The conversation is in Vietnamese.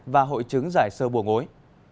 và hội chứng giải sơ buồng ối